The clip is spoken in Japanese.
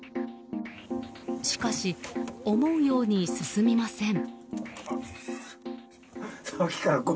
しかし、思うように進みません。